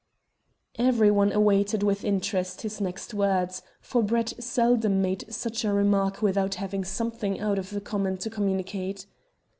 Everyone awaited with interest his next words, for Brett seldom made such a remark without having something out of the common to communicate.